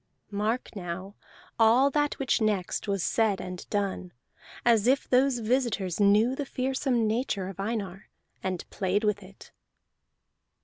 Mark now all that which next was said and done, as if those visitors knew the fearsome nature of Einar, and played with it.